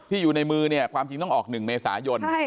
ที่อยู่ในมือความจริงต้องออก๑เมษายน